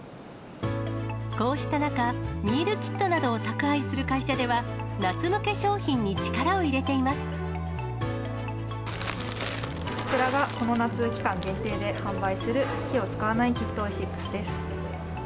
こうした中、ミールキットなどを宅配する会社では、夏向け商品に力を入れていこちらがこの夏、期間限定で販売する、火を使わないきっとオイシックスです。